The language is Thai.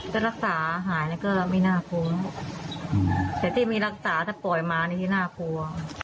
ถ้ารักษาหายแล้วก็ไม่น่าคุ้มแต่ที่มีรักษาถ้าปล่อยมานี่น่ากลัว